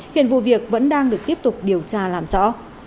hiện vụ việc vẫn đang được tiếp tục điều tra làm rõ